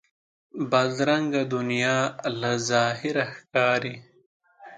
بدرنګه دنیا له ظاهره ښکاري